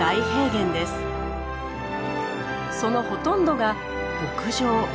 そのほとんどが牧場。